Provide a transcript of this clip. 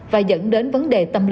và dẫn đến vấn đề tâm lý ở trẻ